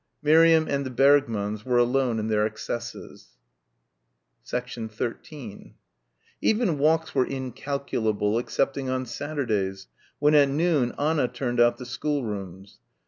Miriam and the Bergmanns were alone in their excesses. 13 Even walks were incalculable excepting on Saturdays, when at noon Anna turned out the schoolrooms.